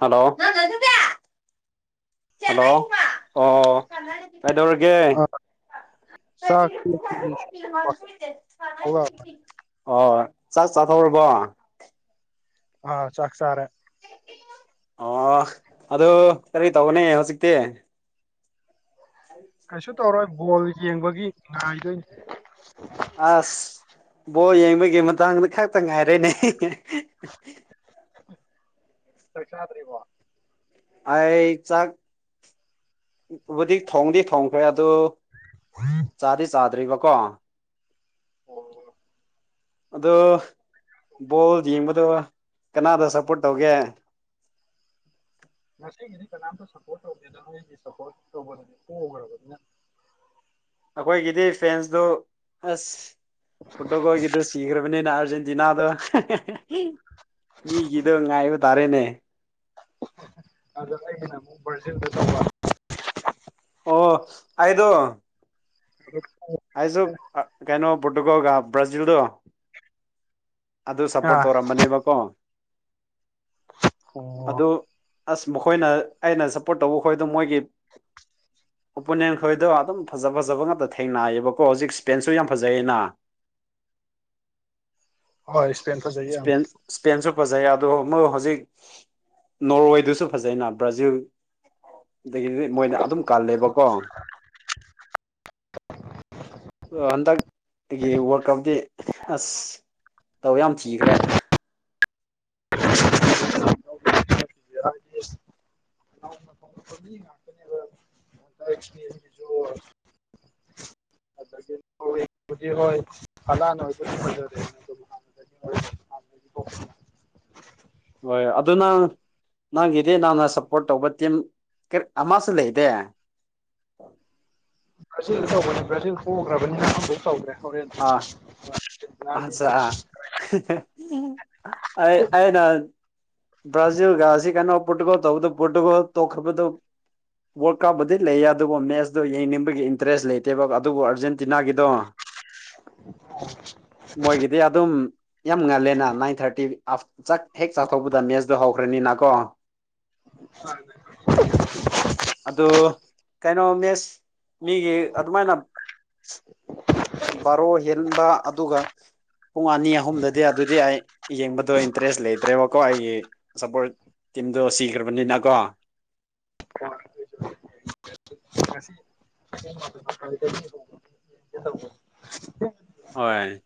hello hello ꯑꯣ ꯀꯥꯏꯗꯧꯔꯒꯦ ꯑ ꯆꯥꯛ ꯊꯣꯛꯂꯛꯑꯕ [unintelligible] ꯑꯣ ꯆꯥꯛ ꯆꯥꯊꯣꯛꯔꯕꯣ ꯑ ꯆꯥꯛꯁꯥꯔꯦ ꯑꯣ ꯑꯗꯨ ꯀꯔꯤ ꯇꯧꯕꯅꯦ ꯍꯧꯖꯤꯛꯇꯤ ꯀꯩꯁꯨ ꯇꯧꯔꯣꯏ ꯕꯣꯜ ꯌꯦꯡꯕꯒꯤ ꯉꯥꯏꯗꯣꯏꯅꯤ ꯑꯁ ꯕꯣ ꯌꯦꯡꯕꯒꯤ ꯃꯇꯥꯡꯗ ꯈꯇ ꯉꯥꯏꯔꯦꯅꯦ ꯂꯁꯤ ꯍꯥꯗꯔꯤꯣ ꯑꯩ ꯆꯥꯛꯕꯨꯗꯤ ꯊꯣꯡꯗꯤ ꯊꯣꯡꯈ꯭ꯔꯦ ꯑꯗꯨ ꯎ ꯆꯥꯗꯤ ꯆꯥꯗ꯭ꯔꯤꯕꯀꯣ ꯑꯣ ꯑ ꯕꯣꯜ ꯌꯦꯡꯕꯗꯣ ꯀꯅꯥꯗ ꯁꯞꯄꯣꯔꯠ ꯇꯧꯒꯦ ꯉꯁꯤꯒꯤꯗꯤ ꯀꯅꯥꯝꯇ ꯁꯞꯄꯣꯔꯠ ꯇꯧꯒꯦꯅ ꯅꯣꯏꯒꯤ ꯁꯞꯄꯣꯔꯠ ꯇꯧꯕꯗꯅ ꯄꯈ꯭ꯔꯕꯅꯤꯅ ꯑꯩꯈꯣꯏꯒꯤꯗꯤ ꯐꯦꯟꯁꯇ ꯑꯁ ꯄꯨꯠꯒꯒꯗ ꯁꯤꯈ꯭ꯔꯕꯅꯤꯅ ꯑꯔꯖꯦꯟꯇꯤꯅꯥꯗꯣ ꯃꯤꯒꯤꯗ ꯉꯥꯏꯕ ꯇꯥꯔꯦꯅꯦ ꯑꯗꯣ ꯑꯩꯒꯤꯅ ꯑꯃꯨꯛ ꯕ꯭ꯔꯔꯖꯤꯜꯗ ꯆꯠꯄ ꯑꯣ ꯍꯥꯏꯗꯣ [unintelligible] ꯑꯩꯁꯨ ꯀꯩꯅꯣ ꯄꯣꯔꯇꯨꯒꯣꯒ ꯕ꯭ꯔꯥꯖꯤꯜꯗꯣ ꯑꯗꯨ ꯁꯞꯄꯣꯔꯠ ꯑꯥ ꯇꯧꯔꯝꯕꯅꯦꯕꯀꯣ ꯑꯣ ꯑꯗꯨ ꯑꯁ ꯃꯈꯣꯏꯅ ꯑꯩꯅ ꯁꯞꯄꯣꯔꯠ ꯇꯧꯕ ꯈꯣꯏꯗ ꯃꯣꯏꯒꯤ ꯎꯄꯅꯟ ꯈꯣꯏꯗꯣ ꯑꯗꯨꯝ ꯐꯖ ꯐꯖꯕ ꯉꯥꯛꯇ ꯊꯦꯡꯅꯌꯦꯕ ꯀꯣ ꯍꯧꯖꯤꯛ ꯁ꯭ꯄꯦꯟꯁꯁꯨ ꯌꯥꯝ ꯐꯖꯩꯌꯦꯅ ꯍꯣꯏ ꯏꯁꯄꯦꯟ ꯐꯖꯩꯌꯦ ꯑ ꯏꯁꯄꯦꯟ ꯏꯁꯄꯦꯟꯁꯨ ꯐꯖꯩ ꯑꯗꯣ ꯃꯣꯏ ꯍꯧꯖꯤꯛ ꯅꯣꯔꯋꯦꯗꯨꯁꯨ ꯐꯖꯅ ꯕ꯭ꯔꯥꯖꯤꯜ ꯑꯗꯒꯤꯗꯤ ꯃꯣꯏꯅ ꯑꯗꯨꯝ ꯀꯜꯂꯦꯕꯀꯣ [unintelligible] ꯍꯟꯗꯛꯒꯤ ꯋꯥꯔ ꯑꯞꯗꯤ ꯑꯁ ꯇꯧ ꯌꯥꯝ ꯊꯤꯈ꯭ꯔꯦ [inaudible] ꯦ ꯉꯇꯅꯦꯕ ꯃꯗ ꯆꯅꯤ ꯣꯔ ꯑ ꯐꯂꯥꯟ [unintelligible] ꯍꯣꯏ ꯑꯗꯨ ꯅꯪ ꯅꯪꯒꯤꯗꯤ ꯅꯪꯅ ꯁꯞꯄꯣꯔꯠ ꯇꯧꯕ ꯇꯤꯝ ꯀꯔꯤ ꯑꯃꯁꯨ ꯂꯩꯗꯦ ꯕ꯭ꯔꯥꯖꯤꯜꯗ ꯇꯧꯕꯅꯦ ꯕ꯭ꯔꯥꯖꯤꯜ ꯄꯣꯈꯔꯕꯅꯤꯅ ꯑꯝꯕꯧ ꯇꯧꯗꯔꯦ ꯍꯣꯔꯦꯟ ꯉꯁꯤ ꯑꯆꯥ [unintelligible] ꯑꯩ ꯑꯩꯅ ꯕ꯭ꯔꯥꯖꯤꯜꯒꯁꯤ ꯀꯩꯅꯣ ꯄ꯭ꯔꯣꯇꯨꯒꯜ ꯇꯧꯕꯗꯨ ꯄ꯭ꯔꯣꯇꯨꯒꯜ ꯇꯣꯛꯈꯥꯕꯗꯨ ꯋꯥꯔꯜꯗ ꯀꯥꯞꯕꯨꯗꯤ ꯂꯩꯌꯦ ꯑꯗꯨꯕꯨ ꯃꯦꯠꯁꯇꯣ ꯌꯦꯡꯅꯤꯡꯕꯒꯤ ꯏꯟꯇꯔꯦꯁ ꯂꯩꯇꯦꯕ ꯑꯗꯨꯕꯨ ꯑꯥꯔꯖꯦꯟꯇꯤꯅꯥꯒꯤꯗꯣ [unintelligible] ꯃꯣꯏꯒꯤꯗꯤ ꯑꯗꯨꯝ ꯌꯥꯝ ꯉꯜꯂꯦꯅ ꯅꯥꯏꯟ ꯊꯥꯔꯇꯤ ꯆꯥꯛ ꯍꯦꯛ ꯆꯥꯛꯊꯣꯛꯕꯗ ꯃꯦꯠꯁꯇꯣ ꯍꯧꯈ꯭ꯔꯅꯤꯅ ꯀꯣ [unintelligible] ꯑꯗꯨ ꯀꯩꯅꯣ ꯃꯦꯁ ꯃꯤꯒꯤ ꯑꯗꯨꯃꯥꯏꯅ ꯕꯥꯔꯣ ꯍꯦꯟꯕ ꯑꯗꯨꯒ ꯄꯨꯡ ꯑꯅꯤ ꯑꯍꯨꯝꯗꯗꯤ ꯑꯗꯨꯗꯤ ꯑꯩ ꯌꯦꯡꯕꯗꯣ ꯏꯟꯇꯔꯦꯁ ꯂꯩꯇ꯭ꯔꯦꯕꯀꯣ ꯑꯩꯒꯤ ꯁꯄꯣꯔꯠ ꯇꯤꯝꯗꯣ ꯁꯤꯈ꯭ꯔꯕꯅꯤꯅ ꯀꯣ [unintelligible] [unintelligible] ꯍꯣꯏ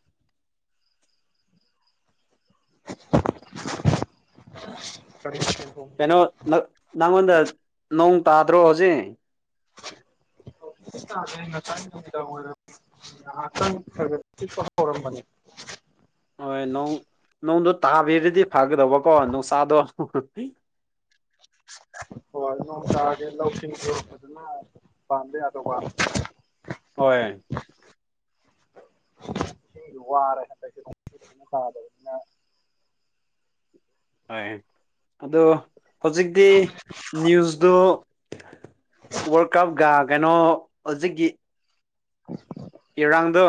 [unintelligible] ꯀꯔꯤ ꯃꯥꯊꯦꯜ ꯀꯩꯅꯣ ꯅꯛ ꯅꯪꯉꯣꯟꯗ ꯅꯣꯡ ꯇꯥꯗ꯭ꯔꯣ ꯍꯧꯖꯤꯛ [unintelligible] ꯍꯧꯖꯤꯛꯇꯤ ꯇꯥꯗꯦ ꯉꯁꯥꯏ ꯅꯨꯃꯤꯗꯥꯡ ꯋꯥꯏꯔꯝ ꯉꯍꯥꯛꯇꯪ ꯈꯔ ꯈꯔ ꯈꯤꯛꯄꯥ ꯍꯧꯔꯝꯕꯅꯦ ꯍꯣꯏ ꯅꯣ ꯅꯣꯡꯗꯣ ꯇꯥꯕꯤꯔꯗꯤ ꯐꯒꯗꯧꯕꯀꯣ ꯅꯨꯡꯁꯥꯗꯣ ꯍꯣꯏ ꯅꯣꯡ ꯇꯥꯔꯗꯤ ꯂꯧ ꯁꯤꯡꯖꯨ ꯐꯥꯖꯅ ꯄꯥꯟꯕ ꯌꯥꯗꯧꯕ ꯍꯣꯏ [unintelligible] ꯏꯁꯤꯡꯖꯨ ꯋꯥꯔꯦ ꯍꯟꯗꯛꯇꯤ ꯅꯣꯡꯖꯨ ꯐꯥꯖꯅ ꯇꯥꯗꯝꯅꯤꯅ ꯍꯣꯏ ꯑꯗꯣ ꯍꯧꯖꯤꯛꯇꯤ ꯅ꯭ꯌꯨꯁꯇꯣ ꯋꯥꯔꯜ ꯀꯞꯒ ꯀꯩꯅꯣ ꯍꯧꯖꯤꯛꯀꯤ [unintelligible] ꯏꯔꯥꯡꯗꯣ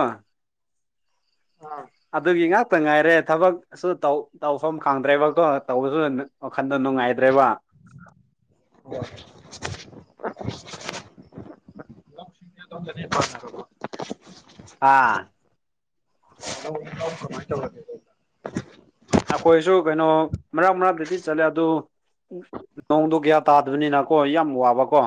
ꯑꯥ ꯑꯗꯨꯒꯤ ꯉꯥꯛꯇ ꯉꯥꯏꯔꯦ ꯊꯕꯛꯁꯨ ꯇꯧ ꯇꯧꯐꯝ ꯈꯪꯗ꯭ꯔꯦꯕꯀꯣ ꯇꯧꯕꯁꯨ ꯋꯥꯈꯟꯗꯣ ꯅꯨꯡꯉꯥꯏꯇ꯭ꯔꯦꯕ [unintelligible] [unintelligible] ꯂꯧ ꯁꯤꯡꯖꯦ ꯑꯗꯣꯝꯗꯗꯤ ꯐꯥꯔꯕꯣ ꯑꯥ [unintelligible] ꯂꯧ ꯂꯧ ꯀꯃꯥꯏ ꯇꯧꯔꯒꯦꯅꯦ ꯑꯩꯈꯣꯏꯁꯨ ꯀꯩꯅꯣ ꯃꯔꯛ ꯃꯔꯥꯛꯇꯗꯤ ꯆꯠꯂꯦ ꯑꯗꯨ ꯅꯣꯡꯗꯣ ꯀꯌꯥ ꯇꯥ ꯗꯅꯤꯅꯀꯣ ꯌꯥꯝ ꯋꯥꯕꯀꯣ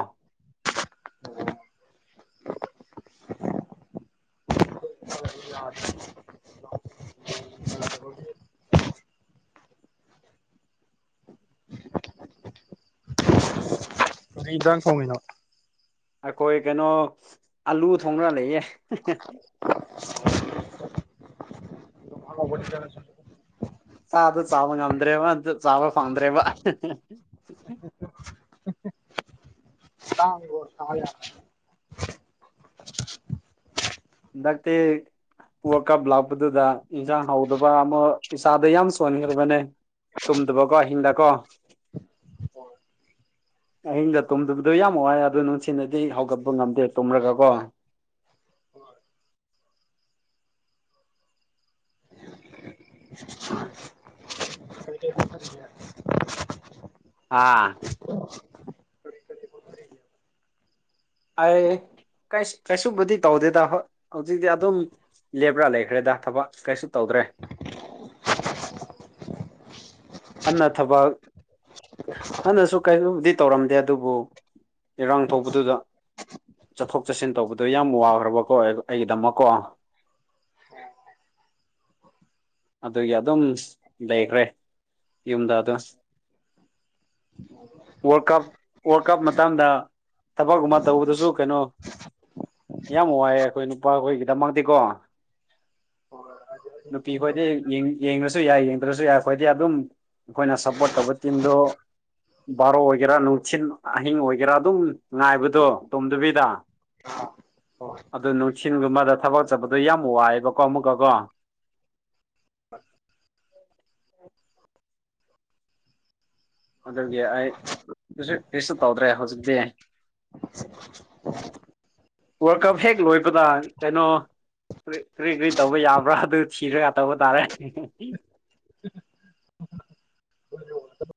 ꯑꯣ [unintelligible] [unintelligible] ꯅꯣꯡ ꯇꯥꯗꯕꯒꯤ [inaudible] [inaudible] [unintelligible] ꯀꯔꯤ ꯏꯟꯖꯥꯡ ꯊꯣꯡꯉꯤꯅꯣ ꯑꯩꯈꯣꯏ ꯀꯩꯅꯣ ꯑꯂꯨ ꯊꯣꯡꯉꯔꯥ ꯂꯩꯌꯦ [unintelligible] [unintelligible] ꯆꯥꯗꯨ ꯆꯥꯕ ꯉꯝꯗ꯭ꯔꯦꯕ ꯑꯗꯨ ꯆꯥꯕ ꯐꯥꯟꯗ꯭ꯔꯦꯕ ꯇꯥꯡꯕ꯭ꯔꯣ [unintelligible] ꯍꯟꯗꯛꯇꯤ ꯋꯥꯔꯜ ꯀꯥꯞ ꯂꯥꯛꯄꯗꯨꯗ ꯏꯟꯁꯥꯡ ꯍꯧꯗꯕ ꯑꯃ ꯏꯁꯥꯗ ꯌꯥꯝ ꯁꯣꯟꯈ꯭ꯔꯕꯅꯦ ꯇꯨꯝꯗꯕꯀꯣ ꯑꯍꯤꯡꯗꯀꯣ ꯌꯥꯝꯅ ꯑꯍꯤꯡꯗ ꯇꯨꯝꯗꯕꯗꯣ ꯌꯥꯝ ꯋꯥꯏ ꯑꯗꯨꯗꯣ ꯅꯨꯡꯊꯤꯟꯗꯗꯤ ꯍꯧꯒꯠꯄ ꯉꯝꯗꯦ ꯇꯨꯝꯔꯒ ꯀꯣ [unintelligible] ꯑꯥ ꯀꯔꯤ ꯀꯔꯤ ꯍꯣꯠꯅꯔꯤꯒꯦ ꯑꯩ ꯀꯩꯁ ꯀꯩꯁꯨꯕꯨꯗꯤ ꯇꯧꯗꯦꯗ ꯍꯧ ꯍꯧꯖꯤꯛꯇꯤ ꯑꯗꯨꯝ ꯂꯦꯞꯕ꯭ꯔꯥ ꯂꯩꯈ꯭ꯔꯦꯗ ꯊꯕꯛ ꯀꯩꯁꯨ ꯇꯧꯗ꯭ꯔꯦ ꯑꯟꯅ ꯊꯕꯛ ꯍꯥꯟꯅꯁꯨ ꯀꯔꯤꯒꯨꯝꯕꯗꯤ ꯇꯧꯔꯝꯗꯦ ꯑꯗꯨꯕꯨ ꯏꯔꯥꯡ ꯊꯣꯛꯄꯗꯨꯗ ꯆꯠꯊꯣꯛ ꯆꯠꯁꯤꯟ ꯇꯧꯕꯗꯣ ꯌꯥꯝ ꯋꯥꯈ꯭ꯔꯕꯀꯣ ꯑꯩꯒꯤꯗꯃꯛꯀꯣ [unintelligible] ꯑꯗꯨꯒꯤ ꯑꯗꯨꯝ ꯂꯩꯈ꯭ꯔꯦ ꯌꯨꯝꯗꯥꯗ [unintelligible] ꯋꯥꯔꯜ ꯀꯞ ꯋꯥꯔꯜ ꯀꯞ ꯃꯇꯥꯡꯗ ꯊꯕꯛꯒꯨꯝꯕ ꯇꯧꯕꯗꯨꯁꯨ ꯀꯩꯅꯣ ꯌꯥꯝ ꯋꯥꯏꯑꯦ ꯑꯩꯈꯣꯏ ꯅꯨꯄꯥꯈꯣꯏꯒꯤꯗꯃꯛꯇꯤꯀꯣ [inaudible] ꯅꯨꯄꯤ ꯈꯣꯏꯗꯤ ꯇꯨꯝꯗꯕꯅꯤꯅ ꯌ‌ꯦꯡ ꯌꯦꯡꯔꯁꯨ ꯌꯥꯏ ꯌꯦꯡꯗ꯭ꯔꯁꯨ ꯌꯥꯏ ꯑꯩꯈ‌ꯣꯏ ꯗꯤ ꯑꯗꯨꯝ ꯑꯩꯈꯣꯏꯅ ꯁꯞꯄꯣꯔꯠ ꯇꯧꯕ ꯇꯤꯝꯗꯣ ꯕꯥꯔꯣ ꯑꯣꯏꯒꯦꯔꯥ ꯅꯨꯡꯊꯤꯟ ꯑꯍꯤꯡ ꯑꯣꯏꯒꯦꯔꯥ ꯑꯗꯨꯝ ꯉꯥꯏꯕꯗꯣ ꯇꯨꯝꯗꯕꯤꯗ [inaudible] [unintelligible] ꯑꯗꯨ ꯅꯨꯡꯊꯤꯟꯒꯨꯝꯕꯗ ꯊꯕꯛ ꯆꯠꯕꯗꯣ ꯌꯥꯝ ꯋꯥꯏꯑꯦꯕꯀꯣ ꯑꯃꯨꯛꯀꯀꯣ [unintelligible] ꯑꯗꯨꯒꯤ ꯑꯩ ꯀꯩꯁ ꯀꯔꯤꯁꯨ ꯇꯧꯗ꯭ꯔꯦ ꯍꯧꯖꯤꯛꯇꯤ ꯋꯥꯔꯜ ꯀꯞ ꯍꯦꯛ ꯂꯣꯏꯕꯗ ꯀꯩꯅꯣ ꯀꯔꯤ ꯀꯨꯔꯤ ꯇꯧꯕ ꯌꯥꯕ꯭ꯔꯥ ꯑꯗꯨ ꯊꯤꯔꯒ ꯇꯧꯕ ꯇꯥꯔꯦ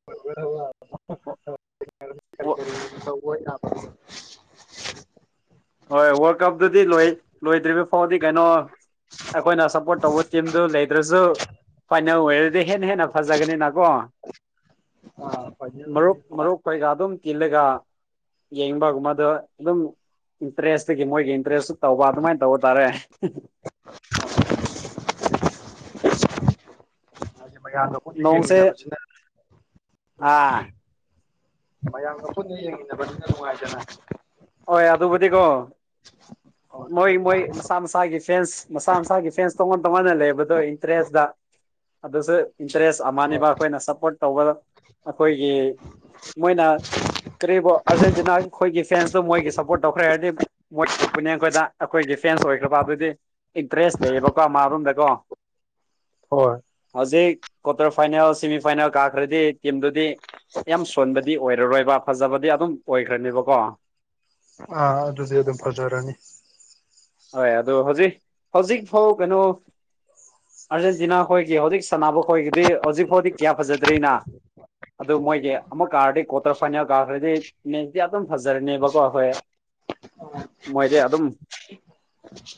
[unintelligible] [inaudible] ꯀꯔꯤ ꯑꯣ [unintelligible] ꯍꯣꯏ ꯋꯥꯔꯜ ꯀꯞꯇꯨꯗꯤ ꯂ‌ꯣꯏ ꯂꯣꯏꯗ꯭ꯔꯤꯕ ꯐꯥꯎꯗꯤ ꯀꯩꯅꯣ ꯑꯩꯈꯣꯏꯅ ꯁꯞꯄꯣꯔꯠ ꯇꯧꯕ ꯇꯤꯝꯗꯨ ꯂꯩꯗ꯭ꯔꯁꯨ ꯐꯥꯏꯅꯦꯜ ꯑꯣꯏꯔꯗꯤ ꯍꯦꯟꯅ ꯍꯦꯟꯅ ꯐꯖꯒꯅꯤꯅꯀꯣ [unintelligible] ꯃꯔꯨꯞ ꯃꯔꯨꯞ ꯈꯩꯒ ꯑꯗꯨꯝ ꯇꯤꯜꯂꯒ ꯌꯦꯡꯕꯒꯨꯝꯕꯗꯣ ꯑꯗꯨꯝ ꯏꯟꯇꯔꯦꯁꯇꯨꯒꯤ ꯃꯣꯏꯒꯤ ꯏꯟꯇꯔꯦꯁꯇꯨ ꯇꯧꯕ ꯑꯗꯨꯃꯥꯏꯅ ꯇꯧꯕ ꯇꯥꯔꯦ ꯃꯌꯥꯝ ꯅꯣꯡꯁꯦ ꯑꯥ ꯃꯌꯥꯝꯒ ꯄꯨꯟꯅ ꯌꯦꯡꯃꯤꯟꯅꯕꯅꯤꯅ ꯅꯨꯡꯉꯥꯏꯗꯅ ꯍꯣꯏ ꯑꯗꯨꯕꯨꯗꯤꯀꯣ ꯍꯣꯏ ꯃꯣꯏ ꯃꯥꯒꯤ ꯃꯣꯏ ꯃꯥꯒꯤ ꯃꯁꯥ ꯃꯁꯥꯒꯤ ꯐꯦꯟꯁ ꯃꯁꯥ ꯃꯁꯥꯒꯤ ꯐꯦꯟꯁ ꯇꯣꯉꯥꯟ ꯇꯣꯉꯥꯟꯅ ꯂꯩꯕꯗꯣ ꯏꯟꯇꯔꯦꯁꯇ ꯑꯗꯨꯁꯨ ꯏꯟꯇꯔꯦꯁ ꯍꯣꯏ ꯑꯃꯅꯤꯕ ꯑꯩꯈꯣꯏꯅ ꯁꯞꯄꯣꯔꯠ ꯇꯧꯕ ꯑꯩꯈꯣꯏꯒꯤ ꯃꯣꯏꯅ ꯀꯔꯤꯕꯨ ꯑꯥꯔꯖꯦꯟꯇꯤꯅꯥ ꯑꯩꯈꯣꯏꯒꯤ ꯐꯦꯟꯁꯇꯣ ꯃꯣꯏꯒꯤ ꯁꯞꯄꯣꯔꯠ ꯇꯧꯈ꯭ꯔꯦ ꯍꯥꯏꯗꯤ ꯃꯣꯏ [unintelligible] ꯅꯦ ꯑꯩꯈꯣꯏꯗ ꯑꯩꯈꯣꯏꯒꯤ ꯐ‌ꯦꯟꯁ ꯑꯣꯏꯈ꯭ꯔꯕ ꯑꯗꯨꯗꯤ ꯏꯟꯇꯔꯦꯁ ꯂꯩꯌꯦꯕꯀꯣ ꯃꯥꯔꯣꯝꯗꯀꯣ ꯍꯣꯏ ꯍꯧꯖꯤꯛ ꯀ꯭ꯋꯥꯇꯔ ꯐꯥꯏꯅꯦꯜ ꯁꯦꯃꯤ ꯐꯥꯏꯅꯦꯜ ꯀꯥꯈ꯭ꯔꯗꯤ ꯇꯤꯝꯗꯨꯗꯤ ꯌꯥꯝ ꯁꯣꯟꯕꯗꯤ ꯑꯣꯏꯔꯔꯣꯏꯕ ꯐꯖꯕꯗꯤ ꯑꯗꯨꯝ ꯑꯣꯏꯈ꯭ꯔꯅꯦꯕꯀꯣ ꯑꯥ ꯑꯗꯨꯗꯤ ꯑꯗꯨꯝ ꯐꯖꯔꯅꯤ ꯍꯣꯏ ꯑꯗꯣ ꯍꯧꯖꯤꯛ ꯍꯧꯖꯤꯛꯐꯥꯎ ꯀꯩꯅꯣ ꯑꯥꯔꯖꯦꯟꯇꯤꯅꯥ ꯑꯩꯈꯣꯏꯒꯤ ꯍꯧꯖꯤꯛ ꯁꯥꯟꯅꯕ ꯈꯈꯣꯏꯒꯤꯗꯤ ꯍꯧꯖꯤꯛꯐꯥꯎꯗꯤ ꯀꯌꯥ ꯐꯖꯗ꯭ꯔꯤꯅ ꯑꯗꯨ ꯃꯣꯏꯁꯦ ꯑꯃꯨꯛ ꯀꯥꯔꯗꯤ ꯀꯣꯇ꯭ꯔꯁꯅꯤ ꯀꯥꯈ꯭ꯔꯗꯤ ꯃꯤꯦꯟꯁꯇꯤ ꯑꯗꯨꯝ ꯐꯖꯔꯅꯦꯕꯀꯣ ꯍꯈꯣꯏ ꯃꯣꯏꯗꯤ ꯑꯗꯨꯝ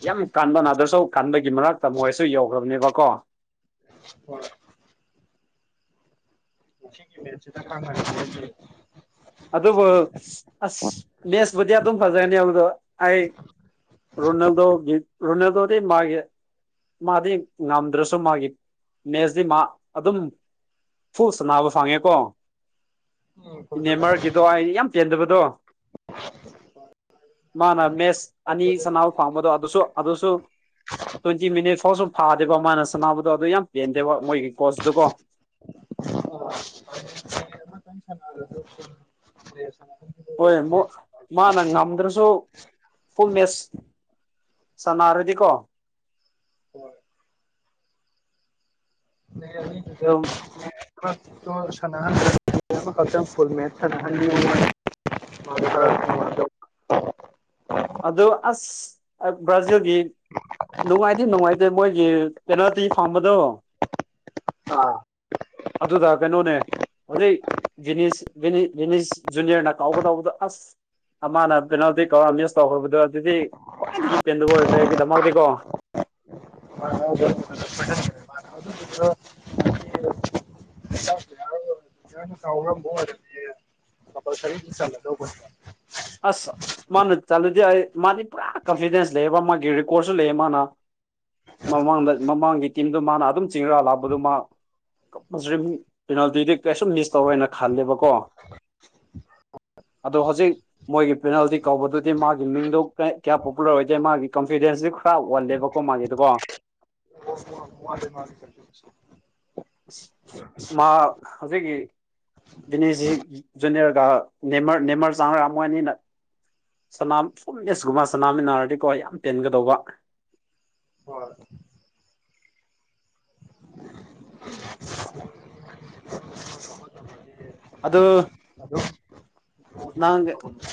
ꯌꯥꯝ ꯀꯥꯟꯕ ꯅꯥꯗ꯭ꯔꯁꯨꯧ ꯀꯥꯟꯕꯒꯤ ꯃꯔꯛꯇ ꯃꯣꯏꯁꯨ ꯌꯧꯈ꯭ꯔꯕꯅꯦꯕꯀꯣ ꯍꯣꯏ ꯄꯨꯒꯤ ꯃꯦ ꯀ ꯑꯗꯨꯕꯨ ꯑꯁ ꯃꯦꯠꯁꯄꯨꯗꯤ ꯑꯗꯨꯝ ꯐꯖꯒꯅꯤꯕꯗꯣ ꯑꯩ ꯔꯨꯅꯜꯗ ꯔꯨꯅꯜꯗꯗꯤ ꯃꯥꯒꯤ ꯃꯥꯗꯤ ꯉꯝꯗ꯭ꯔꯁꯨ ꯃꯥꯒꯤ ꯅꯦꯁꯇꯤ ꯃꯥ ꯑꯗꯨꯝ ꯐꯨꯁꯅꯥꯕ ꯐꯥꯉꯦꯀꯣ ꯑꯣ ꯏꯅꯦ ꯃꯔꯒꯤꯗꯣ ꯑꯩ ꯌꯥꯝ ꯇꯦꯟꯗꯕꯗꯣ ꯃꯥꯅ ꯃꯦꯁ ꯑꯅꯤ ꯁꯅꯥꯕꯨ ꯐꯥꯝꯕꯗꯣ ꯑꯗꯨꯁꯨ ꯑꯗꯨꯁꯨ ꯇ꯭ꯋꯦꯟꯇꯤ ꯃꯤꯅꯤꯠ ꯐꯥꯎꯁꯨ ꯐꯥꯗꯦꯀꯣ ꯃꯥꯅ ꯁꯅꯥꯕꯨꯗꯣ ꯑꯗꯨ ꯌꯥꯝ ꯄꯦꯟꯗꯦꯕ ꯃꯣꯏꯒꯤ ꯀꯣꯆꯇꯨꯀꯣ ꯑꯣ [unintelligible] ꯑꯁ ꯍꯣꯏ ꯃꯥꯅ ꯉꯝꯗ꯭ꯔꯁꯨ ꯐꯃꯦꯁ ꯁꯅꯔꯗꯤ ꯀꯣ ꯍꯣꯏ ꯂꯩꯅꯤ ꯑꯗꯨꯝ ꯣ ꯁꯅꯥꯍ ꯐ ꯃ ꯁꯅꯍ ꯍꯣꯏ ꯑꯗꯨꯣ ꯑꯁ ꯕ꯭ꯔꯥꯖꯤꯜꯒꯤ ꯅꯨꯡꯉꯥꯏꯇ ꯅꯨꯡꯉꯥꯏꯇꯦ ꯃꯣꯏꯒꯤ ꯄꯦꯅꯥꯣꯇꯤ ꯐꯪꯕꯗꯣ ꯑꯥ ꯑꯗꯨꯗ ꯀꯩꯅꯣꯅꯦ ꯍꯧꯖꯤꯛꯅꯤ ꯅꯤꯁ ꯖꯨꯅꯤꯌꯔꯅ ꯀꯥꯎꯒꯗꯥꯎꯕꯗ ꯑꯁ ꯑꯃꯅ ꯄꯦꯅꯥꯜꯇꯤ ꯀꯧꯔ ꯃꯤꯁ ꯇꯧꯈ꯭ꯔꯕꯗꯣ ꯑꯗꯨꯗꯤ ꯈ꯭ꯋꯥꯏꯗꯒꯤ ꯄꯦꯟꯗꯕ ꯑꯣꯏꯈ꯭ꯔꯦꯒꯤꯗꯃꯛꯇꯗꯤꯀꯣ ꯍ ꯑꯗꯨ ꯆꯠꯇ꯭ꯔ ꯁꯥꯎꯅꯕꯣ ꯆꯂꯣꯧꯕ ꯑꯁ ꯃꯥꯅ ꯆꯠꯂꯨꯗꯤ ꯑꯩ ꯃꯥꯗꯤ ꯄꯨꯔꯥ ꯀꯟꯐꯤꯗꯦꯟꯁ ꯂꯩꯕ ꯃꯥꯒꯤ ꯔꯦꯀꯣꯔꯠꯁꯨ ꯂꯩ ꯃꯥꯅ ꯃꯃꯥꯡꯗ ꯃꯃꯥꯡꯒꯤ ꯇꯤꯝꯗ ꯃꯥꯅ ꯑꯗꯨꯝ ꯆꯤꯡꯔ ꯂꯥꯛꯄꯗꯨ ꯃꯥ ꯄꯦꯅꯥꯜꯇꯤꯗꯤ ꯀꯩꯁꯨꯝ ꯂꯤꯁ ꯇꯧꯔꯦꯅ ꯈꯜꯂꯦꯕꯀꯣ ꯑꯗꯣ ꯍꯧꯖꯤꯛ ꯃꯣꯏꯒꯤ ꯄꯦꯅꯥꯜꯇꯤ ꯀꯧꯕꯗꯨꯗꯤ ꯃꯥꯒꯤ ꯃꯤꯡꯗꯨ ꯀꯌꯥ ꯄꯣꯄꯨꯂꯔ ꯑꯣꯏꯗꯦ ꯃꯥꯒꯤ ꯀꯟꯐꯤꯗꯦꯟꯁꯇꯨ ꯄꯨꯔ ꯑꯣꯜꯂꯦꯕꯀꯣ ꯃꯥꯒꯤꯗꯀꯣ ꯃꯥꯦ ꯃꯥꯅꯤ ꯑ ꯃꯥ ꯍꯧꯖꯤꯛꯀꯤ ꯕꯤꯅꯤꯁꯖꯤ ꯖꯨꯅꯤꯔ ꯅꯦꯃꯔ ꯆꯥꯉꯔꯥ ꯃꯅꯤꯅ ꯁꯅꯥꯝ ꯄꯨꯝ ꯑꯦꯁꯒꯨꯝꯕ ꯁꯅꯥꯝꯃꯤꯟꯅꯔꯗꯤꯀꯣ ꯌꯥꯝ ꯄꯦꯟꯒꯗꯧꯕ ꯍꯣꯏ [unintelligible] ꯑꯗ ꯑꯗꯨꯗꯣ ꯅꯪ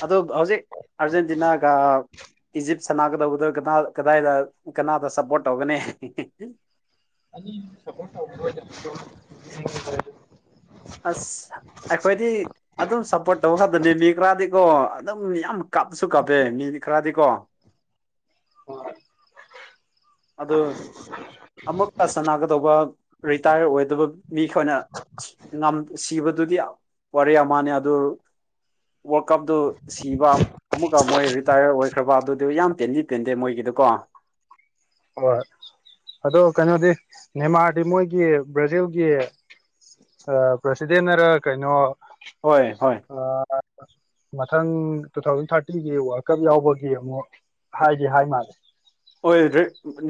ꯑꯗꯣ ꯍꯧꯖꯤꯛ ꯑꯔꯖꯦꯟꯇꯤꯅꯥꯒ ꯏꯖꯤꯞ ꯁꯅꯥꯒꯗꯧꯕꯗ ꯀꯗꯥꯏꯗ ꯀꯅꯥꯗ ꯁꯞꯄꯣꯔꯠ ꯇꯧꯒꯅꯤ ꯑ ꯁꯄꯣ [inaudible] ꯑꯁ ꯑꯩꯈꯣꯏꯗꯤ ꯑꯗꯨꯝ ꯁꯞꯄꯣꯔꯠ ꯇꯧꯕ ꯈꯛꯇꯅꯦ ꯃꯤ ꯈꯔꯗꯤꯀꯣ ꯑꯗꯨꯝ ꯌꯥꯝ ꯀꯥꯞꯁꯨ ꯀꯥꯞꯄꯦ ꯃꯤ ꯈꯔꯗꯤꯀꯣ ꯍꯣꯏ ꯑꯗꯨ ꯑꯃꯨꯒ ꯁꯥꯟꯅꯒꯗꯧꯕ ꯔꯤꯇꯥꯌꯔ ꯑꯣꯏꯗꯕ ꯃꯤꯈꯣꯏꯅ ꯁꯤꯕꯗꯨꯗꯤ ꯋꯥꯔꯤ ꯑꯃꯅꯤꯅꯦ ꯑꯗꯨ ꯋꯥꯔꯜ ꯀꯞꯇ ꯁꯤꯕ ꯑꯃꯨꯛꯀ ꯃꯣꯏ ꯔꯤꯇꯥꯌꯔ ꯑꯣꯏꯈ꯭ꯔꯕ ꯑꯗꯨꯗꯤ ꯌꯥꯝ ꯇꯦꯟꯗꯤ ꯇꯦꯟꯗꯦ ꯃꯣꯏꯒꯤꯗꯨꯀꯣ ꯍꯣꯏ ꯍꯣꯏ ꯑꯗꯣ ꯀꯩꯅꯣꯗꯤ ꯅꯦꯃꯥꯔꯗꯤ ꯃꯣꯏꯒꯤ ꯕ꯭ꯔꯥꯖꯤꯜꯒꯤ ꯑ ꯄ꯭ꯔꯁꯤꯗꯦꯅꯔ ꯀꯩꯅꯣ ꯍꯣꯏ ꯍꯣꯏ ꯑꯣ ꯃꯊꯪ ꯇꯨ ꯊꯥꯎꯖꯟ ꯊꯥꯔꯇꯤꯒꯤ ꯋꯥꯔꯜ ꯀꯞ ꯌꯥꯎꯕꯒꯤ ꯑꯃꯨꯛ ꯍꯥꯏꯗꯤ ꯍꯥꯏ ꯃꯥꯜꯂꯦ ꯍꯣꯢ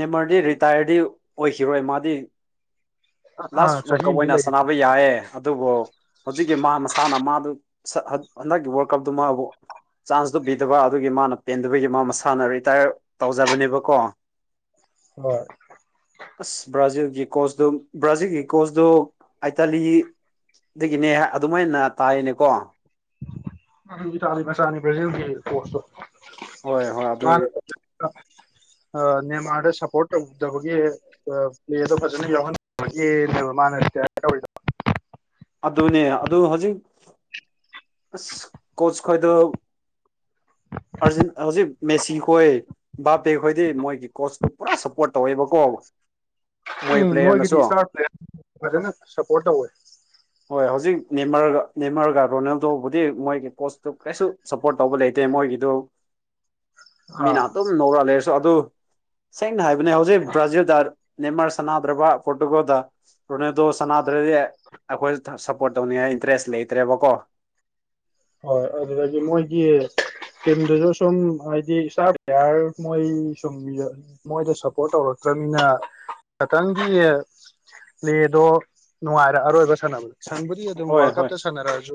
ꯅꯦꯃꯔꯗꯤ ꯔꯤꯇꯥꯌꯔꯗꯤ ꯑꯣꯏꯈꯤꯔꯣꯏ ꯃꯥꯗꯤ ꯑꯥ ꯑꯥ ꯂꯥꯁ ꯋꯥꯔꯜ ꯆꯍꯤ ꯀꯞ ꯑꯃꯗꯤ ꯑꯣꯏꯅ ꯂꯩ ꯁꯥꯟꯅꯕ ꯌꯥꯌꯦ ꯑꯗꯨꯕꯨ ꯍꯧꯖꯤꯛꯀꯤ ꯃꯥ ꯃꯁꯥꯅ ꯃꯥꯗꯨ ꯍꯟꯗꯛꯀꯤ ꯋꯥꯔꯜ ꯀꯞꯇꯨ ꯃꯥꯕꯨ ꯆꯥꯟꯁꯇꯨ ꯄꯤꯗꯕ ꯑꯗꯨꯒꯤ ꯃꯥꯅ ꯄꯦꯟꯗꯕꯒꯤ ꯃꯥ ꯃꯁꯥꯅ ꯔꯤꯇꯥꯌꯔ ꯇꯧꯖꯕꯅꯦꯕꯀꯣ ꯍꯣꯏ ꯑꯁ ꯕ꯭ꯔꯥꯖꯤꯜꯒꯤ ꯀꯣꯁꯇꯣ ꯕ꯭ꯔꯥꯖꯤꯜꯒꯤ ꯀꯣꯆꯇꯣ ꯑꯥꯏꯇꯥꯂꯤ ꯑꯗꯨꯒꯤꯅꯦ ꯑꯗꯨꯃꯥꯏꯅ ꯇꯥꯏꯅꯦꯀꯣ ꯑꯗꯨꯗꯤ ꯇꯥꯕ ꯁꯅꯤ ꯕ꯭ꯔꯥꯖꯤꯜꯒꯤ ꯄꯣꯁꯇ ꯍꯣꯏ ꯍꯣꯏ ꯑꯗꯨ ꯃꯥ [inaudible] ꯅꯦꯃꯥꯗ ꯁꯞꯄꯣꯔꯠ ꯇꯧꯗꯕꯒꯤ ꯑꯥ ꯄ꯭ꯂꯦꯗꯣ ꯐꯖꯅ ꯌꯥꯎꯍꯟꯅꯤꯡꯒꯦꯅꯦꯕ ꯃꯥꯥꯟꯅ ꯀ [inaudible] ꯑ ꯇꯧꯔꯤꯗꯣ ꯑꯗꯨꯅꯦ ꯑꯗꯨ ꯍꯣꯖꯤꯛ ꯑꯁ ꯀꯣꯆ ꯈ꯭ꯣꯏꯗ ꯑꯔꯖꯤꯟ ꯍꯧꯖꯤꯛ ꯃꯦꯁꯤꯈꯣꯏ ꯕꯥꯄꯦ ꯍꯣꯏꯗꯤ ꯃꯣꯏꯒꯤ ꯀꯣꯆꯇꯨ ꯄꯨꯔꯥ ꯁꯞꯄꯣꯔꯠ ꯇꯧꯋꯦꯕꯀꯣ ꯃꯣꯏ ꯎꯝ ꯃꯣꯏꯒꯤꯗꯤ ꯄ꯭ꯂꯦꯌꯔꯅꯁꯨ ꯏꯁꯇꯥꯔ ꯄ꯭ꯂꯦꯌꯥꯔ ꯐꯖꯅ ꯁꯞꯄꯣꯔꯠ ꯇꯧꯋꯦ ꯍꯣꯏ ꯍꯧꯖꯤꯛ ꯅꯦꯃꯔꯒ ꯅꯦꯃꯔꯒ ꯔꯣꯅꯥꯜꯗꯣꯕꯨꯗꯤ ꯃꯣꯏꯒꯤ ꯀꯣꯁꯇꯨ ꯀꯩꯁꯨ ꯁꯞꯄꯣꯔꯠ ꯇꯧꯕ ꯂꯩꯇꯦ ꯃꯣꯏꯒꯤꯗꯣ ꯑꯥ ꯃꯤꯅ ꯑꯗꯨꯝ ꯅꯧꯔ ꯂꯩꯔꯁꯨ ꯑꯗꯨ ꯁꯦꯡꯅ ꯍꯥꯏꯕꯅꯦ ꯍꯧꯖꯤꯛ ꯕ꯭ꯔꯥꯖꯤꯜꯗ ꯅꯦꯃꯥꯔ ꯁꯅꯥꯗ꯭ꯔꯕ ꯄꯣꯔꯇꯨꯒꯜꯗ ꯔꯣꯅꯦꯜꯗꯣ ꯁꯅꯥꯗ꯭ꯔꯗꯤ ꯑꯈꯣꯏ ꯁꯞꯄꯣꯔꯠ ꯇꯧꯅꯤꯡꯉꯥꯏ ꯏꯟꯇꯔꯦꯁ ꯂꯩꯇ꯭ꯔꯦꯕꯀꯣ ꯑꯣꯏ ꯑꯗꯨꯗꯒꯤ ꯃꯣꯏꯒꯤ ꯇꯤꯝꯗꯖꯨ ꯁꯨꯝ ꯍꯥꯏꯗꯤ ꯏꯇꯔ ꯄꯔꯦꯌꯥꯔ ꯃꯣꯏ ꯁꯨꯝ ꯃꯣꯏꯗꯣ ꯁꯞꯄꯣꯔꯠ ꯇꯧꯔꯛꯇ꯭ꯔꯅꯤꯅ ꯈꯤꯇꯪꯒꯤ ꯄ꯭ꯂꯦꯗꯣ ꯅꯨꯡꯉꯥꯏꯔ ꯑꯔꯣꯏꯕ ꯁꯥꯟꯅꯕꯅꯦ ꯁꯟꯕꯨꯗꯤ ꯑꯗꯨꯝ ꯍꯣꯏ ꯋꯥꯔꯜ ꯍꯣꯏ ꯀꯞꯇ ꯁꯥꯟꯅꯔꯛꯁꯨ